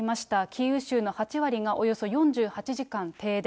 キーウ州の８割がおよそ４８時間停電。